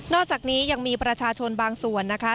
อกจากนี้ยังมีประชาชนบางส่วนนะคะ